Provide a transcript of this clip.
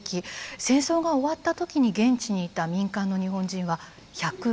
戦争が終わった時に現地にいた民間の日本人は１５５万人。